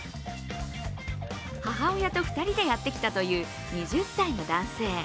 母親と２人でやってきたという２０歳の男性。